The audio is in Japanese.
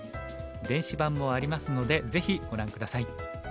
電子版もありますのでぜひご覧下さい。